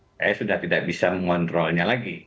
saya sudah tidak bisa mengontrolnya lagi